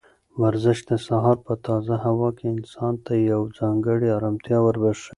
ورزش د سهار په تازه هوا کې انسان ته یوه ځانګړې ارامتیا وربښي.